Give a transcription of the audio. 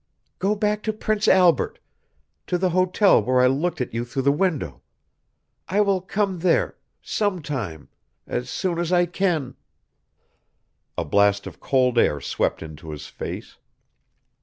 Go back to Prince Albert to the hotel where I looked at you through the window. I will come there sometime as soon as I can " A blast of cold air swept into his face.